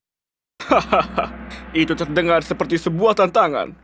hahaha itu terdengar seperti sebuah tantangan